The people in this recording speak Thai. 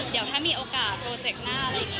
เดี๋ยวถ้ามีโอกาสโปรเจกต์หน้าอะไรอย่างนี้